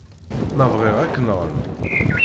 Ma bɣiɣ, ad k-nɣen.